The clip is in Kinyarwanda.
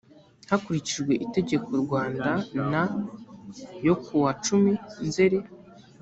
hakurikijwe itegeko rwanda n yo kuwa cumi nzeri